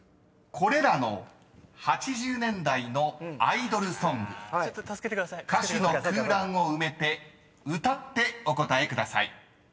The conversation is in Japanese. ［これらの８０年代のアイドルソング歌詞の空欄を埋めて歌ってお答えください］